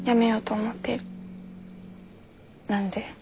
何で？